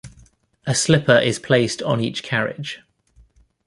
A slipper is placed on each carriage.